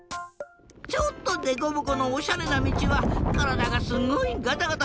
ちょっとデコボコのおしゃれなみちはからだがすごいガタガタするし。